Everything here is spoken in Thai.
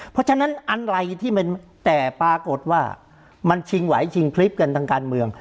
เพราะฉะนั้นอะไรที่มันแต่ปรากฏว่ามันชิงไหวชิงคลิปกันทางการเมือง